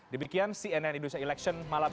dibikian cnn indonesia election malam